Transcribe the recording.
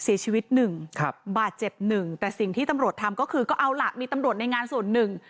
เสียชีวิต๑บาดเจ็บ๑แต่สิ่งที่ตำรวจทำก็คือเอาหลักมีตำรวจในงานศูนย์๑